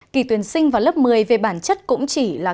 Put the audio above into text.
kỳ tuyển sinh vào lớp một mươi về bản chất cũng chỉ là